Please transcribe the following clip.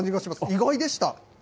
意外でした。